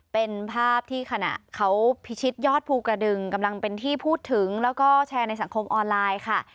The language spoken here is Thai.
เป็นภาพที่ขณะเขาพิชิตยอดภูกระดึงกำลังเป็นที่พูดถึงแล้วก็แชร์ในสังคมออนไลน์ค่ะ